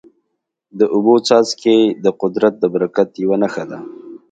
د اوبو څاڅکي د قدرت د برکت یوه نښه ده.